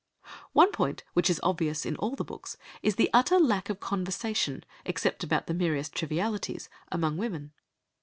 One point which is obvious in all the books is the utter lack of conversation, except about the merest trivialities, among women.